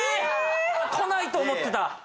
来ないと思ってた。